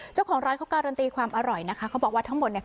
เจ้าของร้านเขาการันตีความอร่อยนะคะเขาบอกว่าทั้งหมดเนี่ย